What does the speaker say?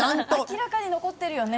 明らかに残ってるよね。